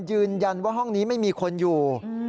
ยืนยันว่าห้องนี้ไม่มีคนอยู่